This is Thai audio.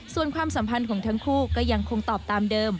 ส่วนความสัมพันธ์ของทั้งคู่ก็ยังคงตอบตามเดิม